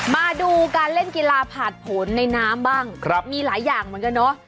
มาดูการเล่นกีฬาผ่านผลในน้ำบ้างมีหลายอย่างเหมือนกันเนอะ